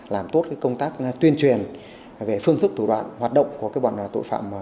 làm tốt công tác tuyên truyền về phương thức thủ đoạn hoạt động của bọn tội phạm